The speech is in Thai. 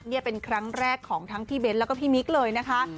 นี่เป็นครั้งแรกของทั้งพี่เบ้นแล้วก็พี่มิ๊กเลยนะคะ